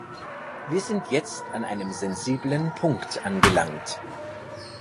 Wir sind jetzt an einem sensiblen Punkt angelangt.